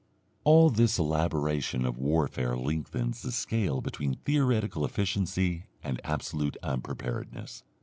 All this elaboration of warfare lengthens the scale between theoretical efficiency and absolute unpreparedness.